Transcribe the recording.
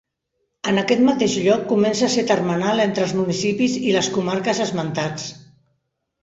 En aquest mateix lloc comença a ser termenal entre els municipis i les comarques esmentats.